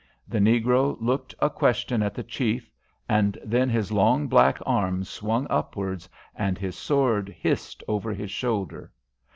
The negro looked a question at the chief, and then his long black arm swung upwards and his sword hissed over his shoulder.